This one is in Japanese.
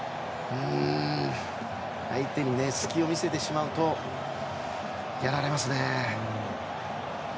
相手に隙を見せてしまうとやられますね。